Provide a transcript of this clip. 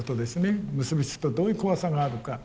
結び付くとどういう怖さがあるか。